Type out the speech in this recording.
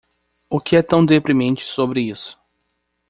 O que é tão deprimente sobre isso?